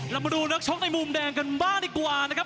เรามาดูนักชกในมุมแดงกันบ้างดีกว่านะครับ